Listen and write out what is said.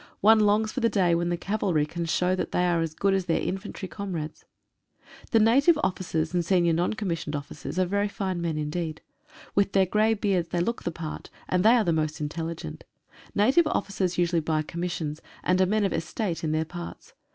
One longs for the day when the cavalry can show that they are as good as their infantry com rades. The native officers and senior N.C.O.'s are very fine men indeed. With their grey beards they look the part, and they are most intelligent. Native officers usually buy commissions, and are men of estate in their parts.